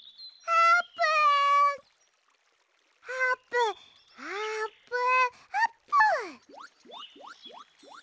あーぷんあぷんあぷん！